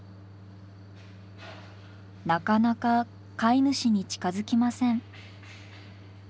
なかなか飼い主に近づきません。